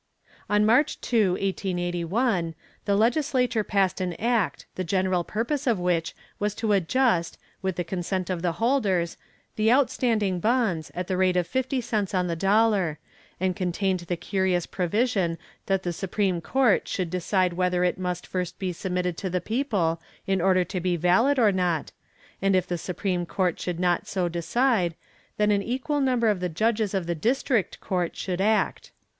On March 2, 1881, the legislature passed an act, the general purpose of which was to adjust, with the consent of the holders, the outstanding bonds, at the rate of fifty cents on the dollar, and contained the curious provision that the supreme court should decide whether it must first be submitted to the people in order to be valid or not, and if the supreme court should not so decide, then an equal number of the judges of the district court should act.